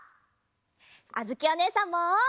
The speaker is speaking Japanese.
あづきおねえさんも。